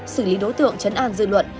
xử lý đối tượng chấn an dư luận